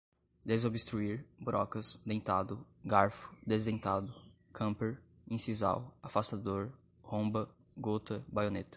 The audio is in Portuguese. desobstruir, brocas, dentado, garfo, desdentado, camper, incisal, afastador, romba, gota, baioneta